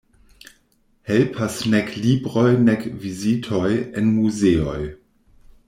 Helpas nek libroj nek vizitoj en muzeoj.